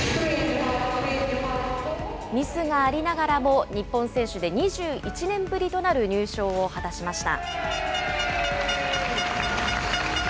ミスがありながらも、日本選手で２１年ぶりとなる入賞を果たしました。